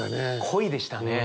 恋でしたね。